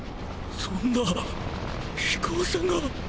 そんな⁉飛行船が！！